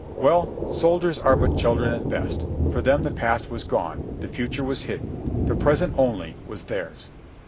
Well ! soldiers are but children at best ; for them the past was gone, the future was hidden, the present only was theirs.